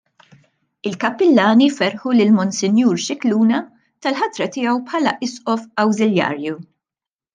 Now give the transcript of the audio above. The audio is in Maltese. Il-Kappillani ferħu lill-Monsinjur Scicluna tal-ħatra tiegħu bħala Isqof Awżiljarju.